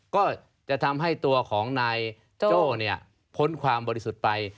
ก็จะทำให้ตัวของนายโจ้พ้นความบริสุทธิ์ไป